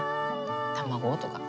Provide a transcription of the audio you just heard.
卵とか。